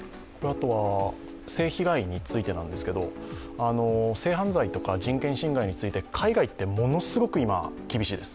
性被害についてなんですけど、性犯罪とか人権侵害について、海外って今、ものすごく厳しいです。